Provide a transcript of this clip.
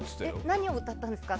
何を歌ってたんですか？